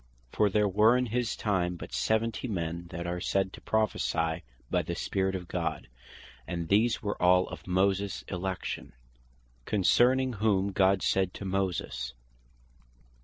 For there were in his time but Seventy men, that are said to Prophecy by the Spirit of God, and these were of all Moses his election; concerning whom God saith to Moses (Numb.